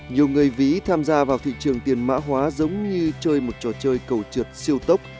nhiều người ví tham gia vào thị trường tiền mã hóa giống như chơi một trò chơi cầu trượt siêu tốc